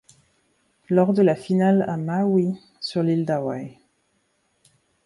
Lors de la finale à Maui sur l’île d'Hawaï.